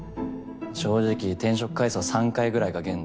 正直転職回数は３回ぐらいが限度。